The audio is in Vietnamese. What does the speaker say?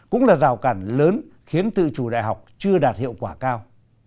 cũng là rào cản lớn khiến tự chủ đại học chưa đạt hiệu quả cao